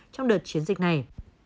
trong đợt chiến dịch này